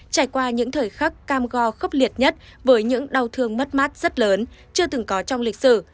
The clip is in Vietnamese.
trải qua những thời khắc cam go khốc liệt nhất với những đau thương mất mát rất lớn chưa từng có trong lịch sử